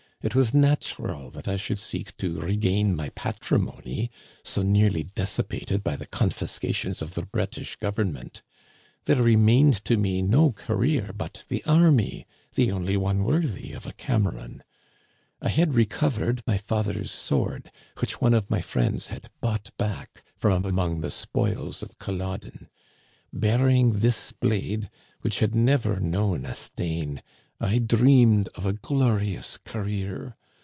It was natural I should seek to regain my patrimony, so nearly dissipated by the confiscations of the British Government There remained to me no career but the army, the only one worthy of a Cameron. I had recovered my father's Digitized by VjOOQIC THfE BURNING OF THE SOUTH SHORE. 177 sword, which one of my friends had bought back from among tie spoils of CuUoden. Bearing this blade, which had never known a stain, I dreamed of a glorious career.